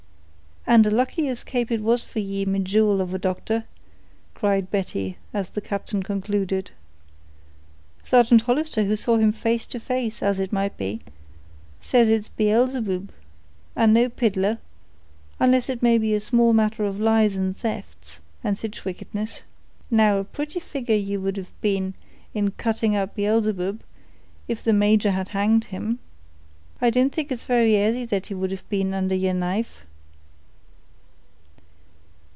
"And a lucky escape it was for ye, my jewel of a doctor," cried Betty, as the captain concluded. "Sargeant Hollister, who saw him face to face, as it might be, says it's Beelzeboob, and no piddler, unless it may be in a small matter of lies and thefts, and sich wickedness. Now a pretty figure ye would have been in cutting up Beelzeboob, if the major had hanged him. I don't think it's very 'asy he would have been under yeer knife."